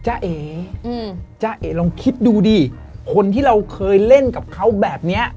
เอ๋จ้าเอ๋ลองคิดดูดิคนที่เราเคยเล่นกับเขาแบบนี้